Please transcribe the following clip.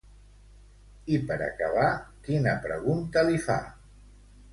I per acabar, quina pregunta li fa?